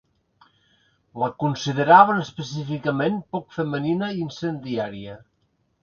La consideraven específicament poc femenina i incendiària.